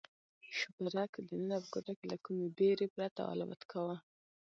شوپرک دننه په کوټه کې له کومې بېرې پرته الوت کاوه.